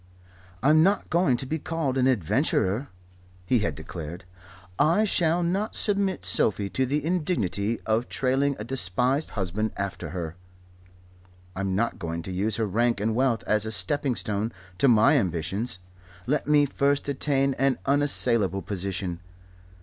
"I'm not going to be called an adventurer," he had declared. "I shall not submit Sophie to the indignity of trailing a despised husband after her. I'm not going to use her rank and wealth as a stepping stone to my ambitions. Let me first attain an unassailable position.